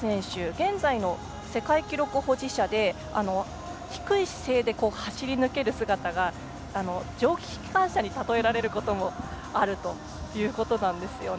現在の世界記録保持者で低い姿勢で走り抜ける姿が蒸気機関車に例えられることもあるということなんですよね。